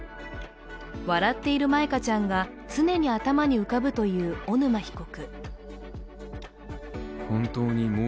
笑っている舞香ちゃんが常に頭に浮かぶという小沼被告。